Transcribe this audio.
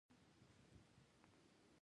بشر ته په ټولنه کې حقونه ورکړل شوي دي.